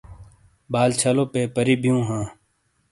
بال چھلو پیپری بیؤ ہاں۔